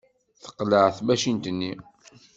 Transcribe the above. Teqleɛ tmacint-nni.